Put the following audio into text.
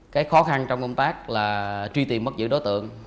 cái khó khăn trong công tác là truy tìm bắt giữ đối tượng